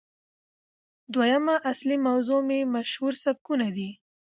دويمه اصلي موضوع مې مشهورسبکونه دي